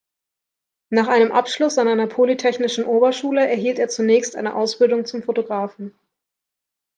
Nach einem Abschluss an einer Polytechnischen Oberschule erhielt er zunächst eine Ausbildung zum Fotografen.